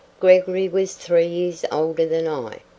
Gregory was three years older than I.